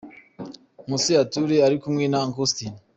Nkusi Arthur ari kumwe na Uncle Austin.